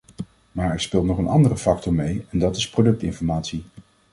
Maar er speelt nog een andere factor mee en dat is productinformatie.